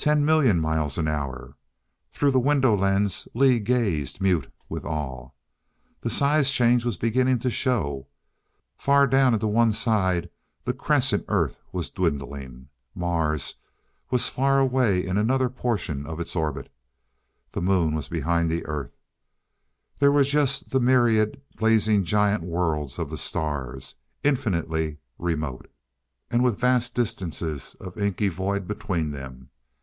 Ten million miles an hour.... Through the window lens Lee gazed, mute with awe. The size change was beginning to show! Far down, and to one side the crescent Earth was dwindling ... Mars was far away in another portion of its orbit the Moon was behind the Earth. There were just the myriad blazing giant worlds of the stars infinitely remote, with vast distances of inky void between them.